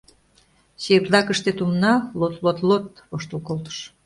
Чердакыште Тумна «лот-лот-лот» воштыл колтыш.